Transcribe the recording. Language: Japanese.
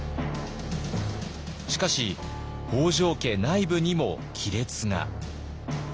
しかし北条家内部にも亀裂が。